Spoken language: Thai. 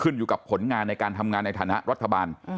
อยู่กับผลงานในการทำงานในฐานะรัฐบาล